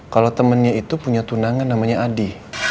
kalau temennya itu punya tunangan namanya adi